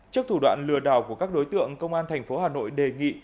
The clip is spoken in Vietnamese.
trước thủ đoạn lừa đảo của các đối tượng công an thành phố hà nội đề nghị